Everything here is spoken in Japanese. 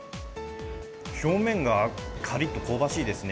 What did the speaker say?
表面がかりっと香ばしいですね。